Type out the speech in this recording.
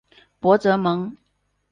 博泽蒙。